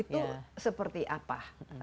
itu seperti apa